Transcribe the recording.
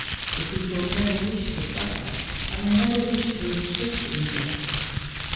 The people never wish to suffer, and they never wish to inflict injustice.